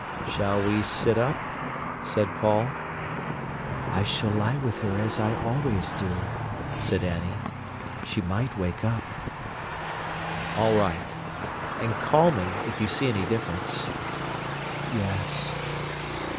"Shall we sit up?" said Paul. "I s'll lie with her as I always do," said Annie. "She might wake up." "All right. And call me if you see any difference." "Yes."